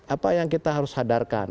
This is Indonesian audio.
apa yang kita harus sadarkan